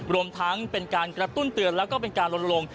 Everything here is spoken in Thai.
รวมทั้งเป็นการกระตุ้นเตือนแล้วก็เป็นการลนลง